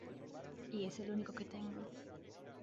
Y es el único que tengo.